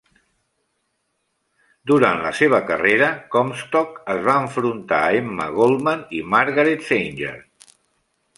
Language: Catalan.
Durant la seva carrera, Comstock es va enfrontar a Emma Goldman i Margaret Sanger.